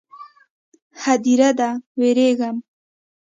_ هديره ده، وېرېږم.